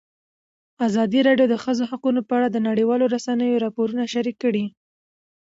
ازادي راډیو د د ښځو حقونه په اړه د نړیوالو رسنیو راپورونه شریک کړي.